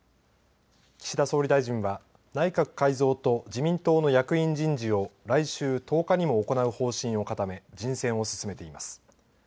岸田総理大臣は内閣改造と自民党の役員人事を来週１０日にも行う方針を固め人選を進めています。